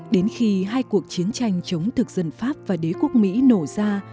đến khi hai cuộc chiến tranh chống thực dân pháp và đế quốc mỹ nổ ra